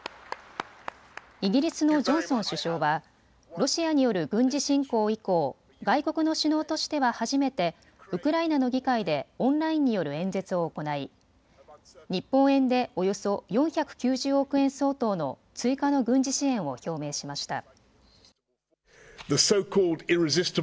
イギリスのジョンソン首相はロシアによる軍事侵攻以降、外国の首脳としては初めてウクライナの議会でオンラインによる演説を行い日本円でおよそ４９０億円相当の追加の軍事支援を表明しました。